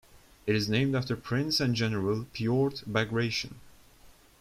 It is named after Prince and General Pyotr Bagration.